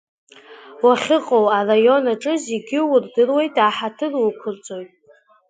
Уахьыҟоу араион аҿы зегьы урдыруеит, аҳаҭыр уқәрҵоит.